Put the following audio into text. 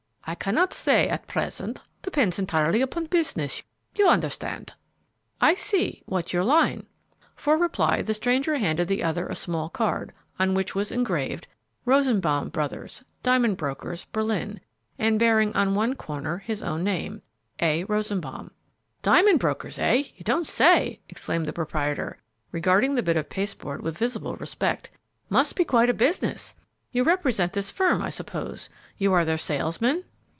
"I cannot say at present; depends entirely upon business, you understand." "I see. What's your line?" For reply the stranger handed the other a small card, on which was engraved, "Rosenbaum Brothers, Diamond Brokers, Berlin," and bearing on one corner his own name, "A. Rosenbaum." "Diamond brokers, eh? You don't say!" exclaimed the proprietor, regarding the bit of pasteboard with visible respect. "Must be quite a business. You represent this firm, I suppose; you are their salesman?"